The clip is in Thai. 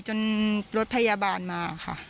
รถพยาบาลมาค่ะ